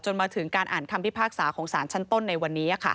มาถึงการอ่านคำพิพากษาของสารชั้นต้นในวันนี้